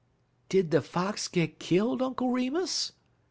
'" "Did the fox get killed, Uncle Remus?"